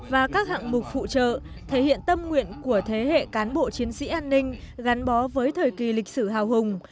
và các hạng mục phụ trợ thể hiện tâm nguyện của thế hệ cán bộ chiến sĩ an ninh gắn bó với thời kỳ lịch sử hào hùng